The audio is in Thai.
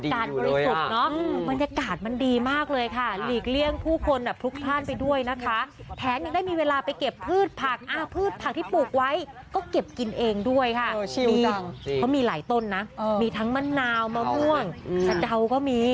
ด้วยค่ะเชี่ยวจังเพราะมีหลายต้นนะเออมีทั้งมะนาวมะม่วงสะเตาก็มี